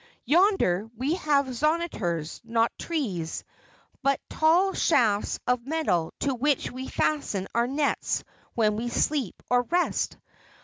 "Yonder, we have zonitors; not trees, but tall shafts of metal to which we fasten our nets when we sleep or rest.